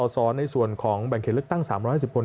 สอในส่วนของแบ่งเขตเลือกตั้ง๓๕๐คน